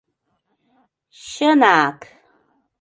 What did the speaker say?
Чына-ак!